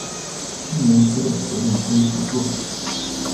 今年所有的活动都结束啦